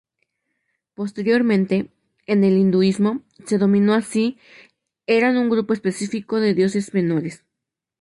Posteriormente, en el hinduismo, se denominó así eran un grupo específico de dioses menores.